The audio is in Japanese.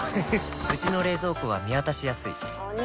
うちの冷蔵庫は見渡しやすいお兄！